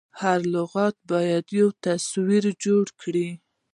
هر لغت باید یو تصویر جوړ کړي.